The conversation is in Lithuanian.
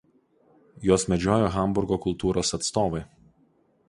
Juos medžiojo Hamburgo kultūros atstovai.